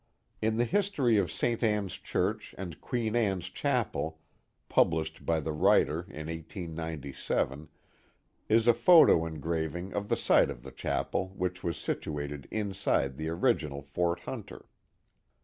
In the history of St. Ann's Church and Queen Anne's Chapel, published by the writer in 1897, is a photo engraving of the site of the chapel, which was situated inside the original Fort Hunter.